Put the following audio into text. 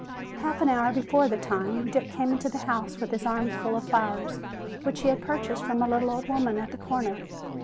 Half an hour before the time, Dick came into the house with his arms full of flowers which he had purchased from a little old woman at the corner.